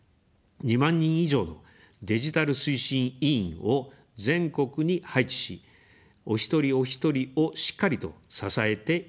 ２万人以上のデジタル推進委員を全国に配置し、お一人おひとりをしっかりと支えていきます。